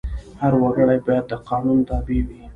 هر وګړی باید د قانون تابع وي.